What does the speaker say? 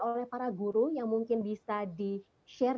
oleh para guru yang mungkin bisa di share